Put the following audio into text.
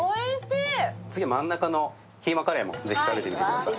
次、真ん中のキーマカレーもぜひ食べてみてください。